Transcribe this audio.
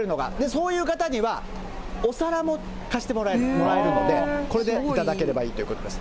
そういう方には、お皿も貸してもらえるので、これで頂ければいいということです。